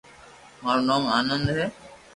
مارو نوم آنند ھي